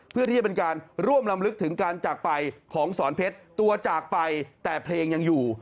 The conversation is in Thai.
เพื่อที่จะเป็นการร่วมลำลึกถึงการจากไปของสอนเพชรตัวจากไปแต่เพลงยังอยู่